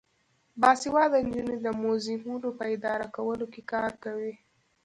باسواده نجونې د موزیمونو په اداره کولو کې کار کوي.